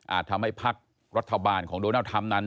อาจทำให้ภักดิ์รัฐบาลของโดนัลด์ธรรมนั้น